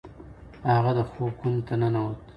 هغه د خوب خونې ته ننوت.